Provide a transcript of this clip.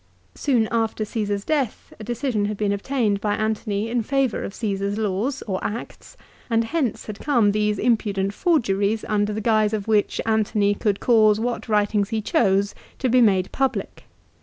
Soon after Csesaf's death a decision had been obtained by Antony in favour of Caesar's laws or acts, and hence had come these impudent forgeries under the guise of M 7 hich Antony could cause what writings he chose to be made public.